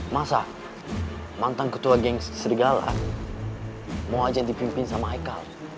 masa mantan ketua geng serigala mau ajak dipimpin sama ikal